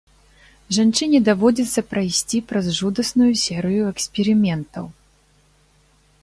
Жанчыне даводзіцца прайсці праз жудасную серыю эксперыментаў.